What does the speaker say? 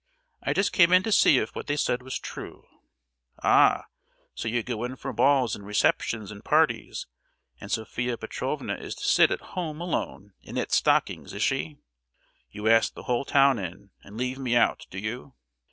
I just came in to see if what they said was true! Ah! so you go in for balls and receptions and parties, and Sophia Petrovna is to sit at home alone, and knit stockings, is she? You ask the whole town in, and leave me out, do you?